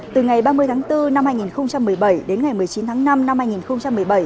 từ ngày ba mươi tháng bốn năm hai nghìn một mươi bảy đến ngày một mươi chín tháng năm năm hai nghìn một mươi bảy